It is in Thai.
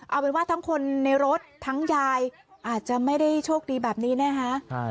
เอาเป็นว่าทั้งคนในรถทั้งยายอาจจะไม่ได้โชคดีแบบนี้นะคะ